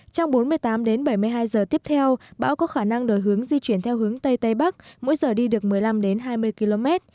trong bốn mươi tám đến bảy mươi hai giờ tiếp theo bão có khả năng đổi hướng di chuyển theo hướng tây tây bắc mỗi giờ đi được một mươi năm hai mươi km